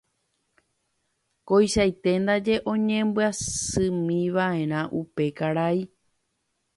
Koichaite ndaje oñembyasýmiva'erã upe karai